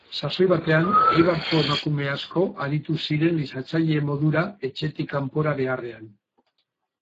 Sasoi batean, Eibarko emakume asko aritu ziren lisatzaile modura etxetik kanpora beharrean.